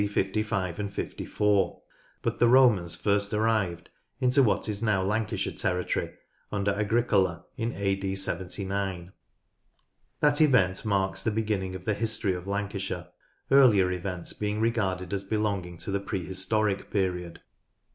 55 and 54, but the Romans first arrived into what is now Lancashire territory under Agricola in a.d. 79. That event marks the beginning of the history of Lancashire, earlier events being regarded as belonging to the prehistoric period.